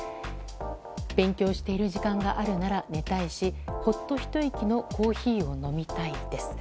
勉強している時間があるなら寝たいしほっとひと息のコーヒーを飲みたいです。